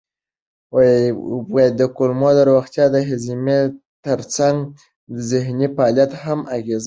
د کولمو روغتیا د هضم ترڅنګ ذهني فعالیت هم اغېزمنوي.